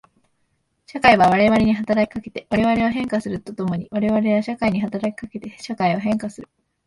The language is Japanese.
社会は我々に働きかけて我々を変化すると共に我々は社会に働きかけて社会を変化する。